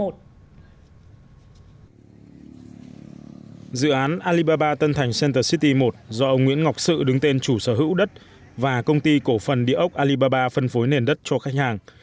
dự án alibaba tân thành center city một do ông nguyễn ngọc sự đứng tên chủ sở hữu đất và công ty cổ phần địa ốc alibaba phân phối nền đất cho khách hàng